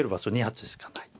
２八しかない。